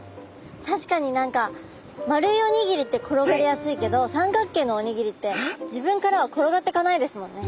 確かに何か丸いおにぎりって転がりやすいけど三角形のおにぎりって自分からは転がっていかないですもんね。